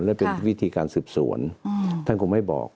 และเป็นวิธีการสืบสวนท่านคงไม่บอก